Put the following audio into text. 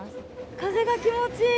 風が気持ちいい！